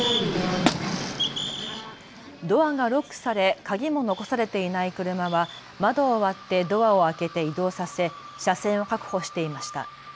ドアがロックされ鍵も残されていない車は窓を割ってドアを開けて移動させ車線を確保していました。